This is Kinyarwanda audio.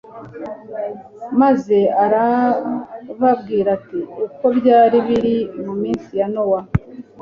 maze arababwira ati : "Uko byari biri mu minsi ya Nowa,